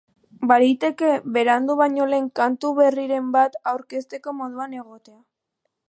Baliteke berandu baino lehen kantu berriren bat aurkezteko moduan egotea.